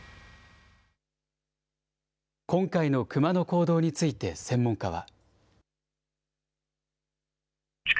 今回のクマの行動について専門家は。